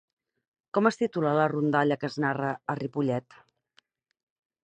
Com es titula la rondalla que es narra a Ripollet?